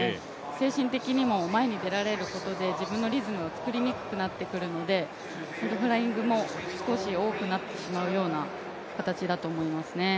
精神的にも前に出られることで自分のリズムを作りにくくなってくるのでフライングも少し多くなってしまうような形だと思いますね。